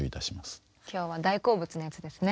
今日は大好物なやつですね。